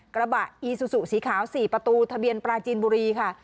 กระบะอีซูซูสีขาว๔ประตูทะเบียนปราจีนบุรีค่ะ